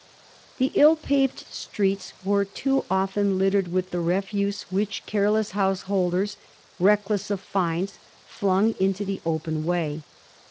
The ill paved streets were too often littered with the refiise which careless householders, reckless of fines, flung into the open way.